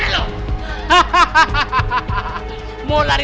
ya ampun ya ampun